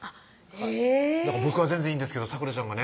へぇ僕は全然いいんですけど咲楽ちゃんがね